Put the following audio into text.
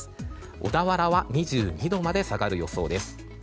小田原は２２度まで下がる予想です。